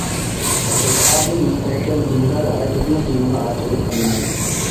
ئېتىقادى مۇستەھكەم دىندار ھەرگىزمۇ دىنىغا ئاسىيلىق قىلمايدۇ.